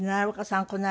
この間ね。